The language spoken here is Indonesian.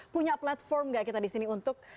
punya platform gak kita disini untuk